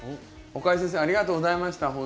岡井先生ありがとうございました。